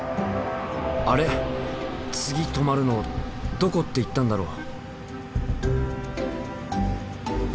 あれ次止まるのどこって言ったんだろう？